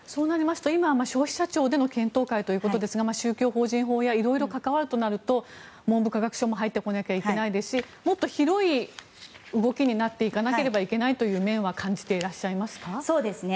今は消費者庁での検討会ということですが宗教法人法やいろいろ関わるとなると文部科学省も入ってこなきゃいけないですしもっと広い動きになっていかなければいけないという面は感じていらっしゃいますか？